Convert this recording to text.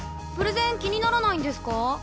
プレゼン気にならないんですか？